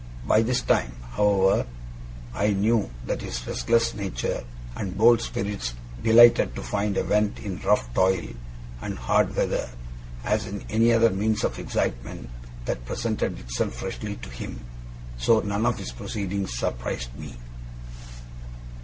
By this time, however, I knew that his restless nature and bold spirits delighted to find a vent in rough toil and hard weather, as in any other means of excitement that presented itself freshly to him; so none of his proceedings surprised me.